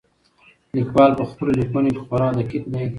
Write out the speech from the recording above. لیکوال په خپلو لیکنو کې خورا دقیق دی.